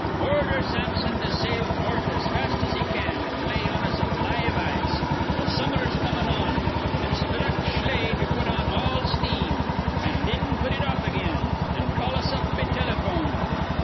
Ordher Sampson to sail north as fast as he can, an' lay in a supply iv ice. Th' summer's comin' on. Insthruct Schley to put on all steam, an' thin put it off again, an' call us up be telephone.